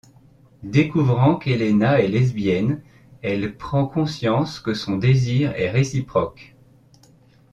Découvrant qu’Elena est lesbienne, elle prend conscience que son désir est réciproque.